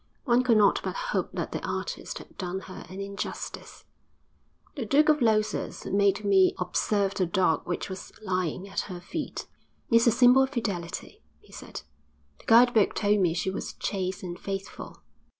One could not but hope that the artist had done her an injustice. The Duke of Losas made me observe the dog which was lying at her feet. 'It is a symbol of fidelity,' he said. 'The guide book told me she was chaste and faithful.'